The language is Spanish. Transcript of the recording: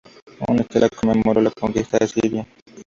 Una estela conmemoró la conquista asiria.